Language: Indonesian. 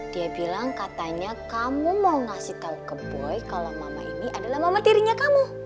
dia bilang katanya kamu mau ngasih tau ke boy kalo mama ini adalah mama tirinya kamu